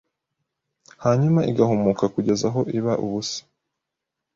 hanyuma igahumuka kugeza aho iba ubusa